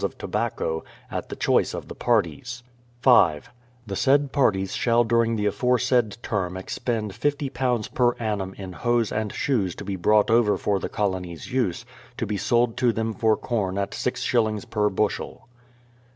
of tobacco, at the choice of the parties. THE PLYMOUTH SETTLEMENT 187 5. The said parties shall during the aforesaid term expend £50 per annum in hose and shoes to be brought over for the colony's use, to be sold to them for corn at six shillings per bushel.